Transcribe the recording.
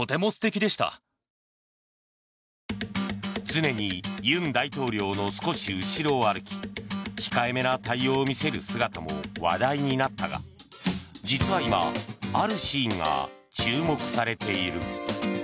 常に尹大統領の少し後ろを歩き控えめな対応を見せる姿も話題になったが実は今、あるシーンが注目されている。